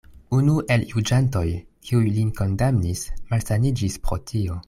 Unu el juĝantoj, kiuj lin kondamnis, malsaniĝis pro tio.